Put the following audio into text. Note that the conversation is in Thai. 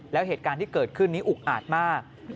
แล้วเหตุการณ์ที่เกิดขึ้นนี้อุกอาจมาก